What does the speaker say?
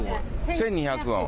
１２００